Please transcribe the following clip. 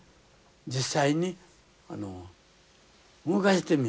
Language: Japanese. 実際に動かしてみると。